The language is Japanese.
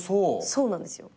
そうなんですよ。